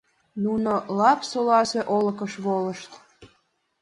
Нуно Лап-Соласе олыкыш волышт.